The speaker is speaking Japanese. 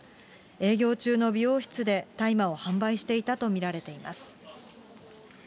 営業中の美容室で大麻を販売していたと見られています。